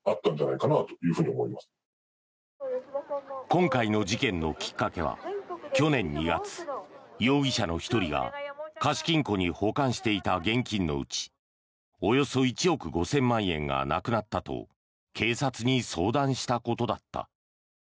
今回の事件のきっかけは去年２月容疑者の１人が貸金庫に保管していた現金のうちおよそ１億５０００万円がなくなったと警察に相談したことだった。